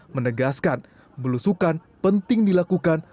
menegaskan berusukan penting dilakukan